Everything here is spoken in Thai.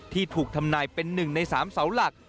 ที่ถูกทำนายเป็น๑ใน๓เสาหลัก